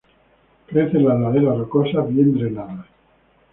Crece en las laderas rocosas bien drenadas.